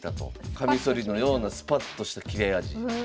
カミソリのようなスパッとした切れ味。